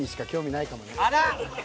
あら！